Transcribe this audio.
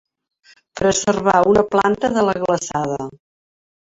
Preservar una planta de la glaçada.